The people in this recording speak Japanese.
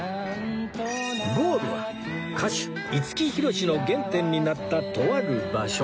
ゴールは歌手五木ひろしの原点になったとある場所